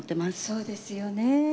そうですよね。